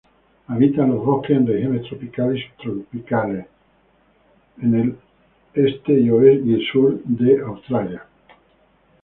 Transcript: Habita en los bosques en regiones tropicales y subtropicales, in eastern and southern Australia.